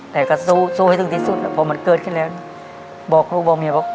แต่ก็สู้สู้ให้ถึงที่สุดพอมันเกิดขึ้นแล้วบอกลูกบอกเมียบอก